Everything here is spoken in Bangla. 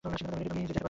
রেডি, তুমি যেতে পারো।